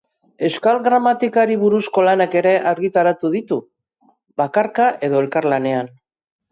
Euskal gramatikari buruzko lanak ere argitaratu ditu, bakarka edo elkarlanean.